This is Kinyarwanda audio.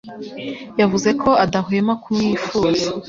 yavuze ko adahwema kumwifuza